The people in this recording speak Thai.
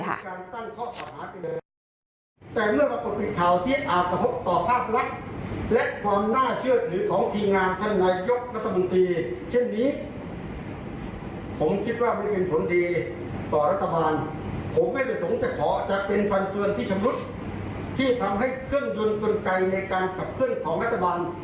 ที่ทำให้เครื่องยนต์กลไกในการกัดเคลื่อนของรัฐบาล